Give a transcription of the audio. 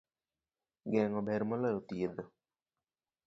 Geng'o ber maloyo thiedho.